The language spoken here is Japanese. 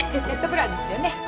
セットプランですよね。